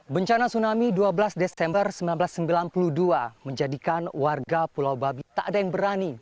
bencana tsunami dua belas desember seribu sembilan ratus sembilan puluh dua menjadikan warga pulau babi tak ada yang berani